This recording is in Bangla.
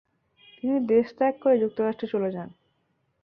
তিনি দেশত্যাগ করে যুক্তরাষ্ট্রে চলে যান।